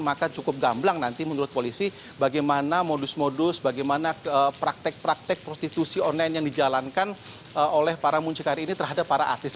maka cukup gamblang nanti menurut polisi bagaimana modus modus bagaimana praktek praktek prostitusi online yang dijalankan oleh para muncikari ini terhadap para artis